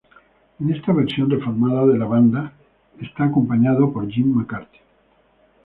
En esta versión reformada de la banda, es acompañado por Jim McCarty.